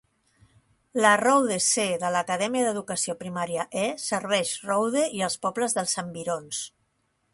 La Rowde C de la Acadèmia d'Educació Primària E serveix Rowde i els pobles dels environs.